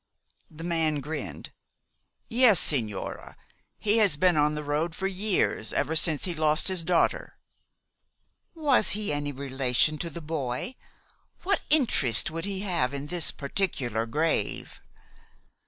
The man grinned. "Yes, sigñora. He has been on the road for years, ever since he lost his daughter." "Was he any relation to the boy? What interest would he have in this particular grave?"